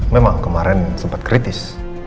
memang kemarin sempat kritis